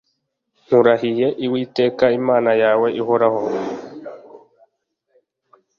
Nkurahiye Uwiteka Imana yawe ihoraho